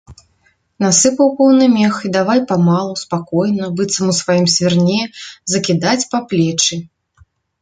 Насыпаў поўны мех і давай памалу, спакойна, быццам у сваім свірне, закідаць па плечы.